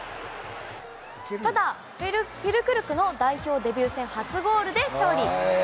ただ、フュルクルクの代表デビュー戦初ゴールで勝利。